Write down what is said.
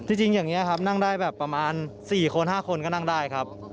จริงอย่างนี้ครับนั่งได้แบบประมาณ๔คน๕คนก็นั่งได้ครับ